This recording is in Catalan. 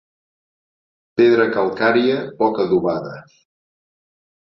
Pedra calcària poc adobada.